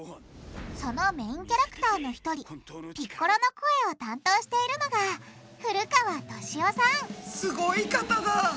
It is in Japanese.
そのメインキャラクターの１人ピッコロの声を担当しているのがすごい方だ！